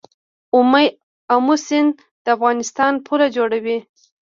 امو سیند د افغانستان پوله جوړوي.